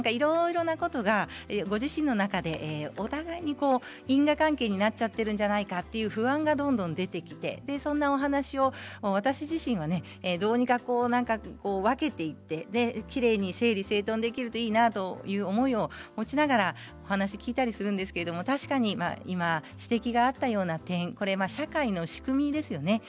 いろいろなことがご自身の中でお互いに因果関係になっちゃっているんじゃないかっていう不安がどんどん出てきてそんなお話を私自身はどうにかこうにか分けていってきれいに整理整頓できるといいなという思いを持ちながらお話を聞いたりするんですけど確かに今、指摘があったような点これは社会の仕組みですよね。